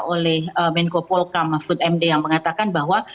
oleh menko polkam mahfud md yang mengatakan bahwa